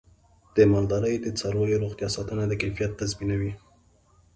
د مالدارۍ د څارویو روغتیا ساتنه د کیفیت تضمینوي.